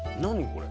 これ。